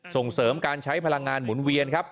ส่งเสริมการใช้พลังงานหมุนเวียนครับ